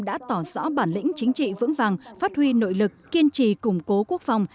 đã tỏ rõ bản lĩnh chính trị vững vàng phát huy nội lực kiên trì củng cố quốc phòng